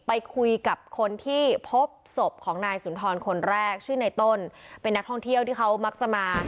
ไปคุยกับคนที่พบศพของนายสุนทรคนแรกชื่อในต้นเป็นนักท่องเที่ยวที่เขามักจะมา